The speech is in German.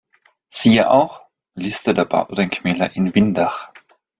Siehe auch: Liste der Baudenkmäler in Windach